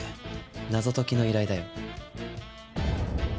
謎解きの依頼だよ。